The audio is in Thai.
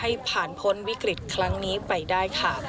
ให้ผ่านพ้นวิกฤตครั้งนี้ไปได้ค่ะ